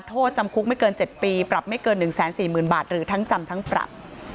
โทษจำคุกไม่เกิน๗ปีปรับไม่เกิน๑๔๐๐๐บาทหรือทั้งจำทั้งปรับ